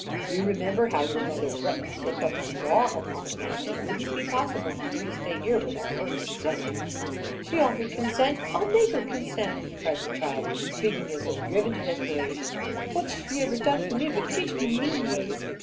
"You remember how your other threatened to take the law upon me, and it wouldn't be possible for you to stay here without her consent." "She oughter consent; I'll make her consent!" cried the child, speaking as if driven to desperation. "What's she ever done for me but teach me mean ways?